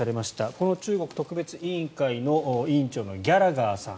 この中国特別委員会の委員長のギャラガーさん